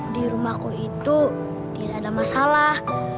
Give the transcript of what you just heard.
di rumahku itu tidak ada masalah